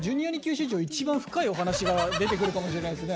史上一番深いお話が出てくるかもしれないですね。